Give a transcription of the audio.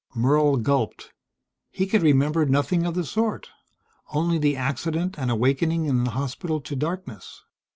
Merle gulped. He could remember nothing of the sort. Only the accident and awakening in the hospital to darkness....